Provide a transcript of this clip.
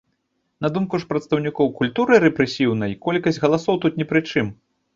На думку ж прадстаўнікоў культуры рэпрэсіўнай, колькасць галасоў тут не пры чым.